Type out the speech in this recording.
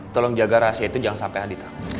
tolong jaga rahasia itu jangan sampai nanti